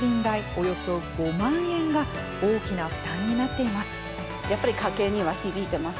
およそ５万円が大きな負担になっています。